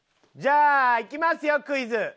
じゃあいきますよクイズ。